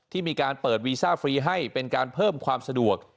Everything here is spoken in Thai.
ที่มีการเปิดวีซ่าฟรีให้เป็นการเพิ่มความสะดวก